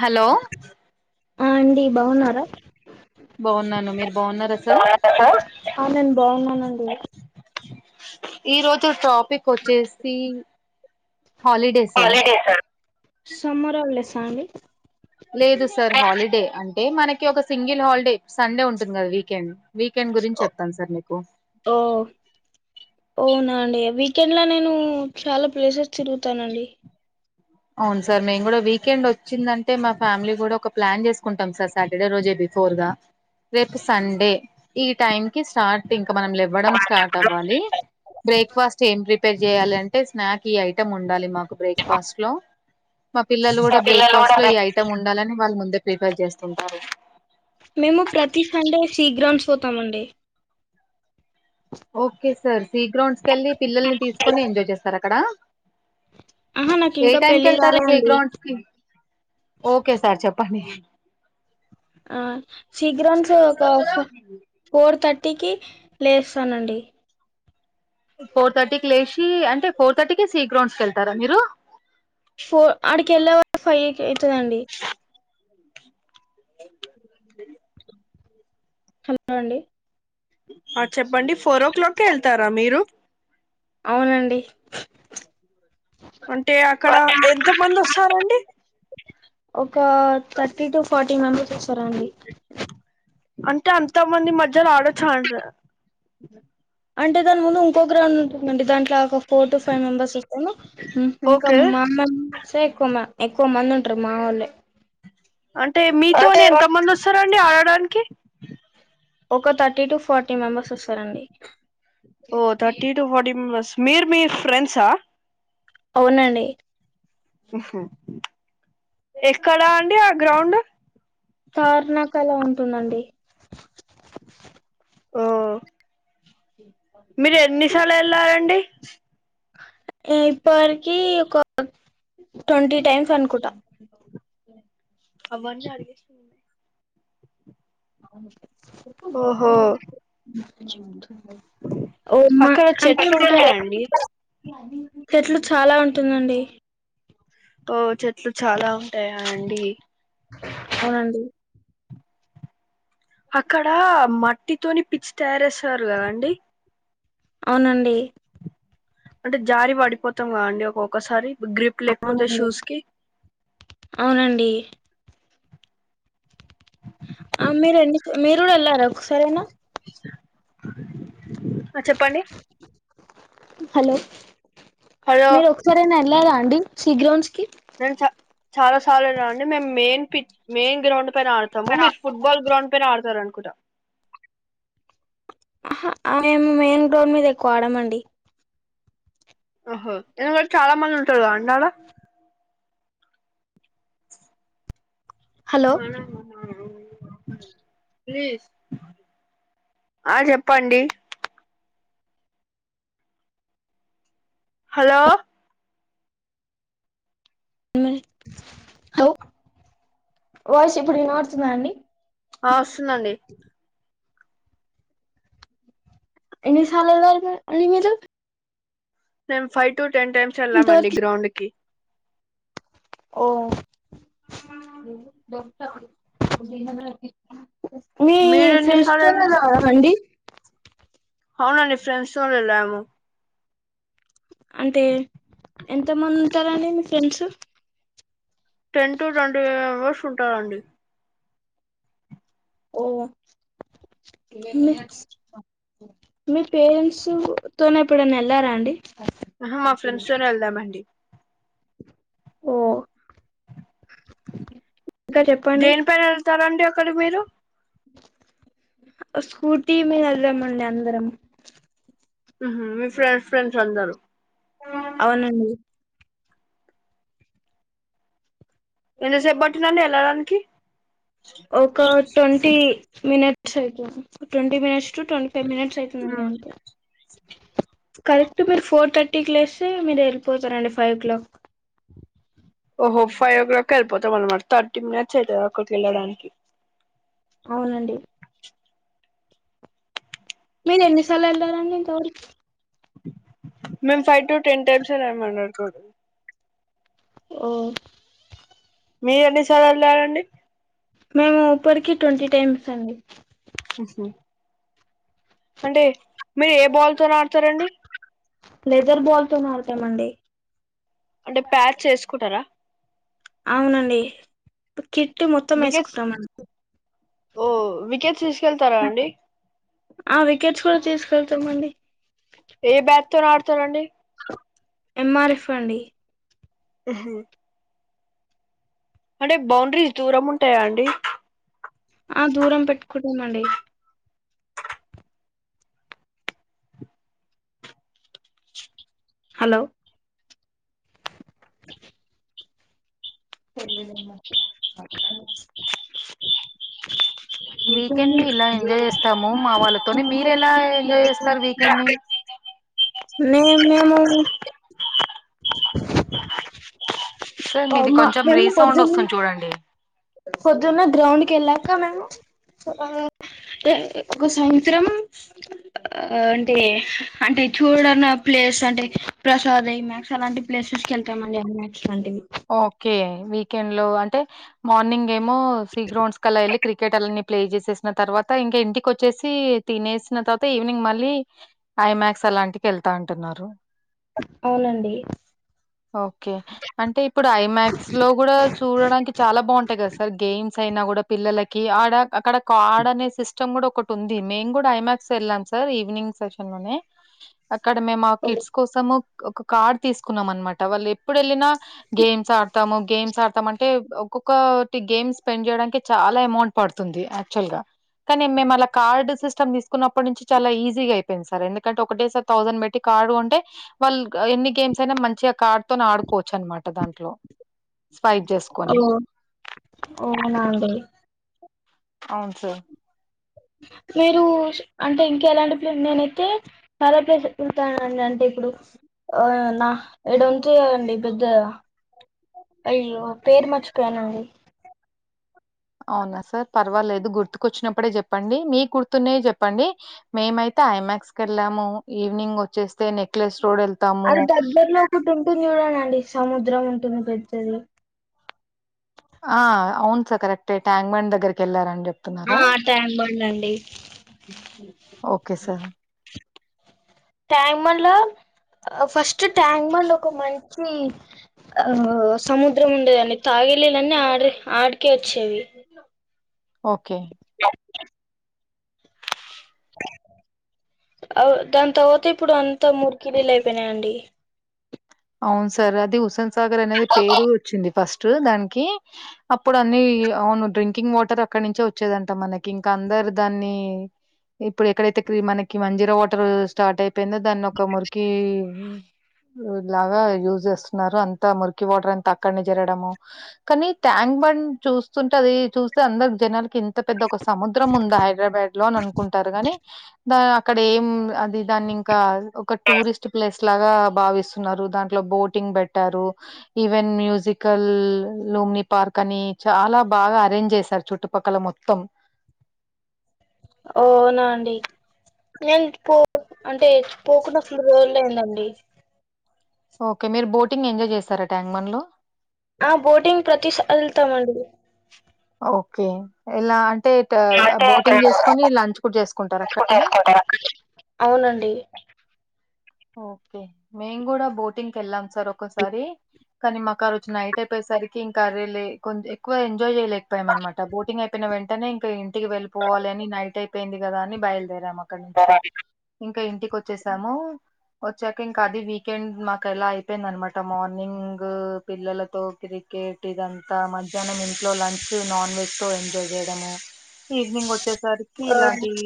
Hello ఆ అండి బావున్నారా బాగున్నాను మీరు బాగున్నారా సార్ ఆ నేను బావున్నానండి. ఈ రోజు టాపిక్ అచ్చేసీ హాలిడే నా లేదు సార్ హాలిడే అంటే మనకి ఒక సింగిల్ హాల్డే సండే ఉంటుంది గా వీకెండ్ వీకెండ్ గురించి చెప్తాను సార్ మీకు ఓ ఒవునా అండి వీకెండ్ల నేనూ చాలా ప్లేసెస్ తిరుగుతానండి. ఔన్ సార్ మేం గూడా వీకెండ్ ఒచ్చిందంటే మా ఫ్యామిలీ గూడా ఒక ప్లాన్ జేస్కుంటం సార్ సాటర్డే రోజే బిఫోర్ గా రేపు సండే ఈ టైం కి స్టార్ట్ ఇంకా మనం లేవ్వడం స్టార్ట్ అవ్వాలి బ్రేక్ఫాస్ట్ ఏం ప్రిపే ప్రిపేర్ జెయాలి అంటే స్నాక్ ఈ ఐటమ్ ఉండాలి మాకు బ్రేక్ఫాస్ట్లో మా పిల్లలు మా గుడా పిల్లలు కూడా బ్రేక్ఫాస్ట్లో ఈ రండి ఐటమ్ ఉండాలని వాళ్ళు ముందే ప్రిఫర్ చేస్తుంటారు. మేము ప్రతి సండే సీగ్రమ్స్ వోతామండి. ఓకే సార్ సి గ్రౌండ్స్ కెళ్ళి పిల్లల్ని తీస్కొని ఎంజాయ్ చేస్తారు అక్కడా ఆహా నాకు ఏ ఇంకా పెళ్లి టైంకేళ్తారు సి కాలేదండి గ్రౌండ్స్ కి ఓకే సార్ చెప్పండి. ఆ శీఘ్రంసు ఒక ఫోర్ తర్టీకి లేస్సానండి. ఫోర్ థర్టీకి లేశీ అంటే ఫోర్ తట్టికే సి గ్రౌండ్స్కెల్తారా మీరు ఫో అడికెళ్ళే వారికే ఫై కె అయితాదండి. స హా ల్ల అండి ఆ చెప్పండి ఫోరో క్లాక్కి ఎళ్తారా మీరు అవునండి. అంటే అక్కడ ఎంత మంది ఒస్సారండి. ఒకా తట్టి టు ఫాట్టి మెంబర్స్ ఒస్సారా అండి అంటే అంత మంది మజ్జల ఆడచ్చ అంటే దాని ముందు ఇంకో గ్రౌండ్ ఉంటుందండి దాంట్లా ఒక ఫోర్ టు ఫైవ్ మెంబెర్స్ ఒస్తాన ఉ ఇంకా ఓకే మామసే ఎక్కు మా ఎక్వ మంది ఉంట్రు మా ఒళ్లే అంటే మీతోనే ఎంత మంది ఒస్సారండి ఆడడానికి ఒక తట్టి టు ఫాట్టి మెంబెర్స్ ఒస్సారండి. ఓ తట్టి టూ ఫాట్టి మెంబర్స్ మీరు మీ ఫ్రెండ్సా అవునండి. ఎక్కడా అండి ఆ గ్రౌండు తార్నాకలా ఉంటుందండి. ఓ ఇ మీరు ఎన్నిసాల్ల ఎళ్లారండి ఈప్పర్కీ ఒక టొంటి టైమ్స్ అనుకుటా అవన్ని అడిగేస అవు ఓహో ఓ మా అక్కడ చెట్లు కంటే ఉంటాయా ఏ అండి [unintelligible] చెట్లు చాలా ఉంటుందండి ఓ చెట్లు చాలా ఉంటాయా అండి అవునండి అక్కడ మట్టితోని పిచ్చి తారయేస్తారు కదండి అవునండి అంటే జారి పడిపోతాం కదండి ఒక్కొక్కసారి గ్రిప్ లేకపోతే అవునండి షూస్ కి అవునండి ఆ మీరు ఎన్ని మీరు కూడా వెళ్ళారా ఒకసారేనా చెప్పండి హలో హలో మీరు ఎప్పుడైనా వెళ్లారండి సి గ్రౌండ్స్ కి నేను చ చాలా సార్లున్నాండి మేము మెయిన్ పి మెయిన్ గ్రౌండ్ పైన ఆడు తాము మీరు ఫుట్బాల్ గ్రౌండ్ పైన ఆడతారు అనుకుంటా ఆహా మేము మెయిన్ రోడ్ మీద ఎక్కువ ఆడమండి ఓహో ఎందుకంటే కూడా చాలా మంది ఉంటారు గదండి ఆడ హలో మనం ఆ చెప్పండి హలో ఇమ్మే హలో వాయిస్ ఇప్పుడు వినడుతుందా అండి ఆ వస్తుందండి ఇన్నిసార్ల ఎల్లారు అండి మీరు మేం ఫైవ్ టు టెన్ టైమ్స్ వెళ్లామండి ఇంతవరకు గ్రౌండ్ కి ఓ మీ మీరు ఫ్రీల్స్ ఎన్నిసార్లు వెళ్ళ చూడలేదా అండి అవునండి ఫ్రెడ్స్ తో వెళ్ళాము అంటే ఎంత మంది ఉంటారండి మీ friends ten to twenty five members ఉంటారండి ఓ లే మీ పేరెంట్స్ తోనే ఎప్పుడన్నా ఏళ్లారా అండి ఆహా మా ఫ్రెండ్స్ తోనే వెళ్దామాండి ఓ ఇంకా చెప్పండి దేని పైన వెళ్తారండి అక్కడి మీరు స్కూటీ మీద వెళ్ళమండి అందరం ఉహుమ్ మీ ఫ్రెండ్స్ ఫ్రెండ్స్ అందరు అవునండి ఎంతసేపు పట్టిదండి వెళ్ళడానికి ఒక ట్వంటీ మినిట్స్ అయితుంది twenty minutes to twenty ten minutes అవుతుందండి ఉమ్. అంతే కరెక్ట్ మీరు ఫోర్ థర్టీ కి లేస్తే మీరు వెళ్ళిపోతారండి ఫైవ్ ఓ క్లాక్ ఓహో ఫైవ్ ఓ క్లాక్ వెళ్ళపోతాం అనమాట థర్టీ మీనిట్స్ అవుతద అక్కడికి వెళ్ళడానికి అవునండి మీనేన్నిసార్లు వెళ్ళలారండి ఇంతవరకు. మేంమ్ ఫైవ్ టు టెన్ టైమ్స్మ్సి రాయ్ మాట్లాడతారు. ఓ. మీరు సాలేళ్లాళ్లమ్డి. ఉ ఊపర్ కి ట్వంటీ టైమ్స్ అండి. అంటే మీరు ఏ బాల్ తో ఆడతారండి. లెదర్ బాల్ తో ఆడతామండి. అంటే ప్యాచ్ ఏస్కుంటారా. అవునండి ఇప్పుడు కిట్టి మొత్తం వికెట్స్ వేసుకుంటాం. ఓ వికెట్స్ తీసుకెళ్తారా అండి. ఆ వికెట్స్ కూడా తీసుకెళ్తామండి. ఏ బ్యాట్ తోన్ ఆడతారండి. ఎంఆర్ఎఫ్ అండి. ఉహు. అంటే బౌండరీస్ దూరం ఉంటాయా అండి. ఆ దూరం పెట్టుకుడుంమండి. హలో. తెల్గుదమ్మా. [unintelligible] వీకెండ్ ని ఇలా ఎంజాయ్ చేస్తాము మా వాళ్ళతోని మీరు ఎలా ఎంజాయ్ చేస్తారు వీకెండ్ ని ఉన్నయ్ ఉన్నయ్ ఏమో. సార్ మీది మా కొంచెం రీసౌండ్ వస్తుంది చూడండి. పొద్దున్నే గ్రౌండ్ కెల్లాక మేము. ఆ ఎక్కు సాయంత్రం. ఆ అంటే అంటే చూడన్న ప్లేస్ అంటే ప్రసాద్ హమాక్స్ అలాంటివి. ప్లేసెస్ కి వెళ్తామండి అనాక్స్ లాంటివి. ఓకే వీకెండ్ లో అంటే మార్నింగ్ ఏమో సి గ్రౌండ్స్ కల్లా వెళ్ళి క్రికెట్ అలాని. ప్లే చేసేసిన తర్వాత ఇంకా ఇంటికి వచ్చేసి తినేసిన తర్వాత ఈవినింగ్ మళ్ళీ. ఐమాక్స్ అలాంటికి వెళ్తా అంటున్నారు. అవునండి. ఓకే అంటే ఇప్పుడు ఐమాక్స్ లో కూడా. చూడడానికి చాలా బాగుంటాయి కదా సార్ గేమ్స్ అయినా కూడా పిల్లలకి ఆడ అక్కడ కాడ్ అనే సిస్. ష్టం కూడా ఒకటి ఉంది మేము కూడా ఐమాక్స్ వెళ్ళాం సార్ ఈవినింగ్ సెషన్ లోనే. అక్కడ మేము ఆ కిడ్స్ కోసము ఒక కార్డ్ తీసుకున్నాం అనమాట వాళ్ళు ఎప్పుడు వెళ్ళినా. గేమ్స్ ఆడతాము గేమ్స్ ఆడతాము అంటే ఒక్కొక్క. గేమ్ స్పెండ్ చేయడానికి చాలా అమౌంట్ పడుతుంది యాక్చుల్ గా. కానీ మేము అలా కార్డ్ సిస్టమ్ తీసుకున్నప్పటి నుంచి చాలా ఈజీగా అయిపోయింది సార్ ఎందుకంటే ఒకటేసార్. థౌసండ్ పెట్టి కార్డు కొంటె వాళ్ళు ఎన్ని గేమ్స్ అయినా మంచిగా కార్డు తో ఆడుకోవచ్చు అనమాట. దాంట్లో స్పైట్ చేసుకొని. ఓనా అండి. అవును సార్. మీరు అంటే ఇంక ఎలాంటి ప నేనైతే. చాలా ప్లేస్ కు వెళ్తానండి అంటే ఇప్పుడు. ఆ నా ఇడంచి ఎదండి పెద్దదా. అయ్యో పేరు మర్చిపోయానండి. అవునా సార్ పర్వాలేదు గుర్తుకొచ్చినప్పుడే చెప్పండి మీ గుర్తున్నాయి చెప్పండి. మేమైతే ఐమాక్స్ కెళ్ళాము ఈవినింగ్ వచ్చేస్తే నెక్లెస్ రోడ్ ఎళ్ అటు దగ్గర్లో ఒకటి ఉంటుంది చూడండండి సముద్రం ఉంటుంది పెద్దది ఆ అవును సర్ కరెక్టె ట్యాంక్మండ్ దగ్గరికి ఎళ్లారన్ చెప్ ఆ ట్యాంక్ బండ్ అండి ఓకే సార్ ట్యాంక్బండ్లో ఫస్ట్ ట్యాంక్బన్డ్ ఒక మంచి ఆహా సముద్రం ఉండేదండి తాగేలీలన్నీ ఆడి ఆడికె వచ్చేవి ఓకే అవ్ దాని తర్వాత ఇప్పుడు అంతా మురికినీల్లయిపోయినయండి అవును సార్ అది హుస్సన్ సాగర్ అనేది పేరు వచ్చింది ఫస్ట్ దానికి అప్పుడన్ని అవును డ్రింకింగ్ వాటర్ అక్కడ్ నుంచే వచ్చేదంట మనకి ఇంక అందరు దాన్ని ఇప్పుడు ఎక్కడైతే క్రి మనకి మంజీరా వాటర్ స్టార్ట్ అయిపోయిందో దాన్ని ఒక మురికీ లాగా యూజ్ చేస్తున్నారు అంతా మురికి వాటర్ అంతా అక్కడనే జరడము కనీ ట్యాంగ్ బండ్ చూస్తుంటే అదీ చూస్తే అందరు జనాలకి ఇంత పెద్ద ఒక సముద్రం ఉందా హైదరాబాద్ లోనన్ కుంటారు గాని దా అక్కడ ఏం అది దాన్ని ఇంకా ఒక టూరిస్ట్ ప్లేస్ లాగా భావిస్ న్నరు దాంట్లో బోటింగ్ బెట్టారు ఈవెన్ మ్యూజికల్, లూమ్ని పార్క్ అని చాలా బాగా అరేంజ్ చేసారు చుట్టు పక్కల మొత్తం ఓనా అండి నేను పో అంటే పోకుండా ఫుల్లు రోజులు అయిందండి ఓకే మీరు బోటింగ్ ఎంజాయ్ చేసారా ట్యాంక్ బన్డ్ లో ఆ బోటింగ్ ప్రతి సారి ఎల్తం అండి ఓకే ఎలా అంటే ట బోటింగ్ జేసుకొని లంచ్ కూడ చేసుకుంటారుక్కడ్నే [unintelligible] అవునండి ఓకే మేం గూడ బోటింగ్ కెళ్ళాం సార్ ఒకసారి కనీ మాకారోజు నైట్ అయిపోయేసరికి ఇంకా రే లే కొంచం ఎక్వ ఎంజాయ్ జేయలేకపోయామనమాట బోటింగ్ అయిపోయిన వెంటనే ఇంక ఇంటికి వెళ్ళిపోవాలని నైట్ అయి పోయింది కదా అని బయలుదేరాం అక్కడ్ నుంచి ఇంకా ఇంటికొచ్చేసాము వచ్చాక ఇంక అది వీకెండ్ మాకు అలా అయిపోయిందనమాట మార్నింగ్ పిల్లలతోటి కేట్ ఇదంతా మధ్యాహ్నం ఇంట్లో లంచ్ నాన్ వెజ్ తో ఎంజాయ్ చేయడము ఈవినింగ్ వచ్చేసరికి ఇలాంటియి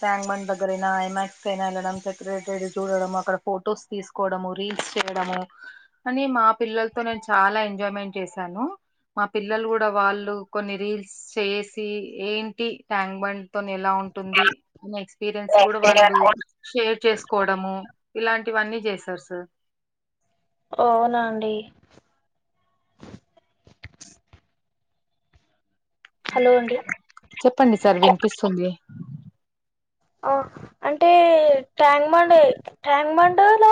ట్యాంక్ బండ్ దగ్గరైనా, ఐమాక్స్ కైనా ఎళ్లడం సెక్రేటెరి చూడడం, అక్కడ ఫొటోస్ తీసుకోవడము, రీల్స్ చేయడము కని మా పిల్లలతో నేను చాలా ఎంజాయ్మెంట్ చేసాను మా పిల్లలు గూడా వాళ్ళు కొన్ని రీల్స్ చేసి ఏంటి ట్యాంక్ బండ్ తోని ఎలా ఉన్ టుమ్ది అని ఎక్స్పీరియన్స్ కూడ వాళ్ళు షేర్ చేసుకున్ కోడము ఇలాంటివన్నీ జేస్తార్ సార్ అవునాండి హలో అండి చెప్పండి సార్ వినిపిస్తుంది ఆ అంటే ట్యాంక్ బండి ట్యాంక్ బండ్ లో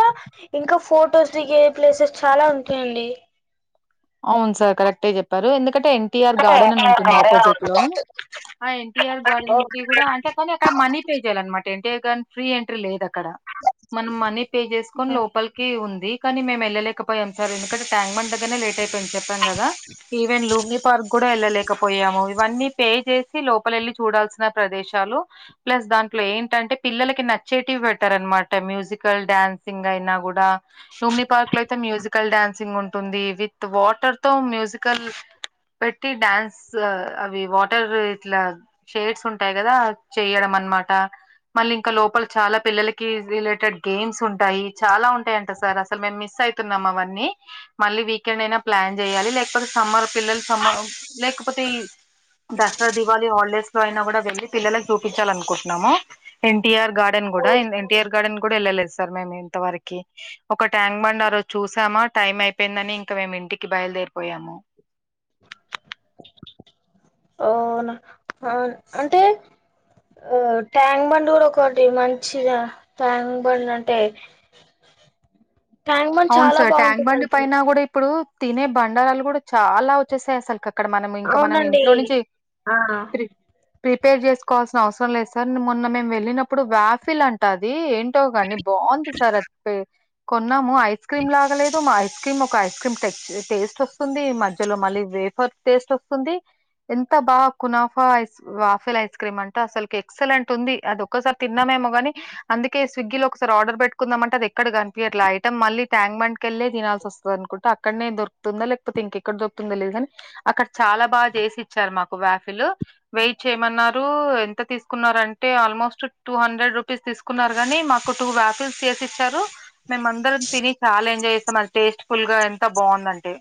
ఇంకా ఫొటోస్ దిగే ప్లేసెస్ చాలా ఉంటయండి అవును సార్ కరెక్టే చెప్పారు ఎందుకటే ఎన్ టీఆర్ గార్డెన్ అని ఉంటుంది ఆపోజిట్ లో ఆ ఎన్టీఆర్ గార్డెన్ కి కూడా అంటే కాని అ క్కడ మనీ పే చేయాల అనమాట ఎన్టీఆర్ గార్ [inaudible] ఫ్రీ ఎంట్రీ లేదు అక్ క్కడా మనం మనీ పే చేసుకొన్ లోపలి కీ ఉంది. కానీ మేము ఎళ్ళలేకపోయాం సార్ ఎందుకంటె ట్యాంక్ బండ్ దగ్గర్నే లేట్ అయి పోయింది చెప్పాం గదా ఈవెన్ లూంబ్నీ పార్క్ గూడ వెళ్ళలేకపోయాము ఇవన్నీ పే చేసి లోపల ఎళ్ళి చూడాల్సిన ప్రదేశాలు. ప్లస్ దాంట్లో ఏంటంటే పిల్లలకి నచ్చేటివి పెట్టారనమాట మ్యూజికల్, డ్యాన్సింగ్ అయినా గూడా. లుంబినీ పార్క్ లో అయితే మ్యూజికల్ డాన్సింగ్ ఉంటుంది విత్ వాటర్ తో మ్యూజ్ మ్యూజికల్ పెట్టి డ్యాన్స్ ఆ అవి వాటర్ ఇట్లా. షేడ్స్ ఉంటాయి గదా అవ్ చెయ్యడం అనమాట. మళ్ళీ ఇంకా లోపల చాలా పిల్లలకి రిలేటెడ్ గేమ్స్ ఉంటాయి చాలా ఉంటాయింట సార్ అసలు మేము మిస్ అయి తున్నం అవన్నీ మళ్ళీ వీక్ కైనైనా ప్లాన్ చెయ్యాలి లేకపోతే సమ్మర్ పిల్లలు సమ్మర్ లేకపోతే ఈ దసరా దివాళి హాలిడేస్ లో అయినా కూడా వెళ్ళి పిల్లలక్ చూపిచ్చాలి అనుకుటున్నాము. ఎన్టీఆర్ గార్డెన్ గూడా ఎన్టీఆర్ గార్డెన్ కూడా ఎళ్ళలేదు స సర్ మేమ్ ఇంత వరకీ ఒక ట్యాంక్ బండ్ ఆ రోజు చూసామా టైం అయిపోయిందని. ఇంక మేము ఇంటికి బయలుదేరిపోయాము అవునా హా అంటే ఆ ట్యాంక్ బండ్ గూడా ఒకటి మంచిగా ట్యాంక్ బండ్ అంటే. ట్యాంక్ బండ్ అవును చాలా సార్ ట్యాంక్ బండ్ బాగుంటుందండి పైనా గూడా ఇప్పుడూ తినే బండారాలు కూడా చాలా వచ్చేసాయి అసలు క ఇక్కడ మనం ఇంక మనం అవునండి ఇంట్లో నుంచ ఆ ప్రి ప్రిపేర్ చేసుకోవాల్సిన అవసరం లేదు సార్ మొన్న మేము వెళ్ళినప్పుడు వ్యాఫిల్ అంట అదీ ఏంట్. టో గానీ బాగుంది సార్ అది పె కొన్నాము ఐస్ క్రీమ్ లాగలేదు మా ఐ క్రీమ్ ఒకా ఐస్ క్రీమ్ టెచ్ టేస్ట్ వస్తుంది మధ్యలో మళ్ళీ వేఫర్ టేస్ట్ వస్తుంది. ఎంత బాగ kunafa ice waffle ice cream అంటా అసల్కి ఎక్సలెంట్ ఉంది అది ఒక్కసారి తిన్నామేమో గాని. అందుకే స్విగ్గీ లో ఒకసారి ఆర్డర్ పెట్టుకుందాం అంటే అది ఎక్కడ కనిపియట్లే ఆ ఐటమ్ మళ్ళీ ట్యాంక్ బండ్ కెళ్ళే తినాల్సి వస్తది అనుకుంట అక్కడ్నే దొరుకుతుందా లేక్పోతే ఇంకెక్కడ్ దొరుకుందో తెలీదు గాని. అక్కడ చాలా బాగా చేసి ఇచ్చారు మాకు వ్యాఫిలూ. వెయిట్ చేయమన్నారూ ఎంత తీసుకున్నారు అంటే ఆల్మోస్ట్ టూ హండ్రెడ్ రూపీస్ తీసుక్ కున్నారు గానీ మాకు టూ వ్యాఫిల్స్ చేశి ఇచ్చారు. మేము అందరం తిని చాలా ఎంజాయ్ చేస్తం అది టేస్ట్ ఫుల్ గా ఎంత బాగుందంటే.